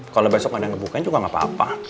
kalau besok gak ada yang bukain juga gak apa apa